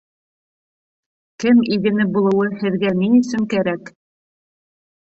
— Кем игене булыуы һеҙгә ни өсөн кәрәк?